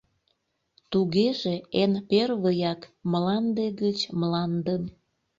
Тугеже, эн первыяк мланде гыч мландым